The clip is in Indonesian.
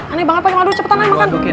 aneh banget pake madu cepetan aja makan